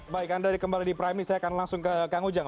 baik anda kembali di prime saya akan langsung ke kang ujang